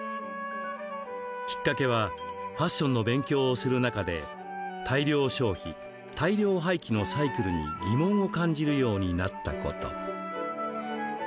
きっかけはファッションの勉強をする中で大量消費、大量廃棄のサイクルに疑問を感じるようになったこと。